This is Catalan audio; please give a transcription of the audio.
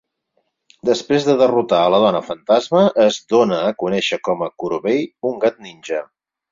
Després de derrotar a la dona fantasma, es dóna a conèixer com a Kurobei, un gat ninja.